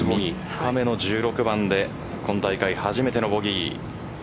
１６番で今大会初めてのボギー。